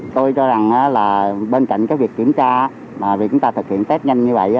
tôi cho rằng bên cạnh việc kiểm tra việc chúng ta thực hiện test nhanh như vậy